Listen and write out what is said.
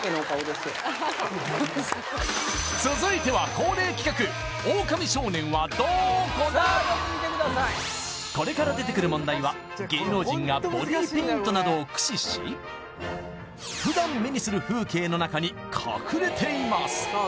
続いては恒例企画これから出てくる問題は芸能人がボディペイントなどを駆使し普段目にする風景の中に隠れています